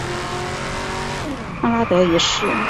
康拉德一世。